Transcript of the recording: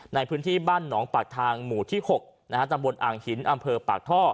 ในพื้นที่บ้านหนองปากทางหมู่ที่๖ตำบลอ่างหินอำเภอปากท่อ